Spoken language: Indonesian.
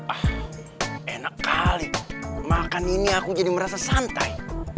ah enak kali makan ini aku jadi merasa santai